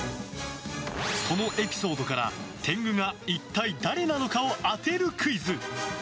そのエピソードから天狗が一体誰なのかを当てるクイズ。